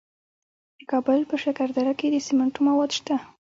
د کابل په شکردره کې د سمنټو مواد شته.